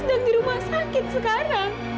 sedang di rumah sakit sekarang